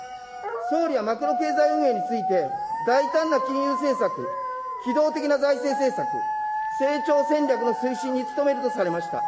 総理はマクロ経済運営について、大胆な金融政策、機動的な財政政策、成長戦略の推進に努めるとされました。